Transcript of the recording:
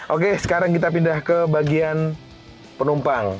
oke sekarang kita pindah ke bagian penumpang